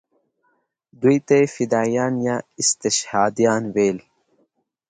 دوی ته یې فدایان یا استشهادیان ویل.